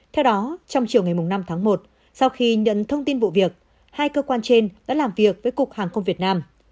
theo đó trong chiều ngày năm tháng một sau khi nhận thông tin vụ việc hai cơ quan trên đã làm việc với cục hàng không việt nam